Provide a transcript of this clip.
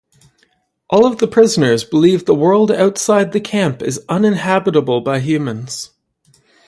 All of the prisoners believe the world outside the Camp is uninhabitable by humans.